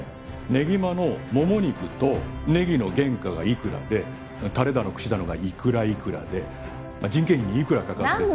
ねぎまのもも肉とネギの原価がいくらでタレだの串だのがいくらいくらで人件費にいくらかかってという。